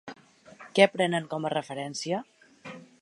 Què prenen com a referència?